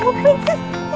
ya kamu prinses